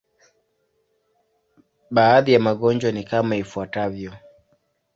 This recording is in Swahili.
Baadhi ya magonjwa ni kama ifuatavyo.